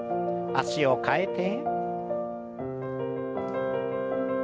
脚を替えて。